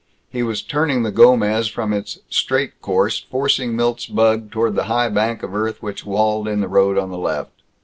He was turning the Gomez from its straight course, forcing Milt's bug toward the high bank of earth which walled in the road on the left.